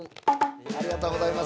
ありがとうございます。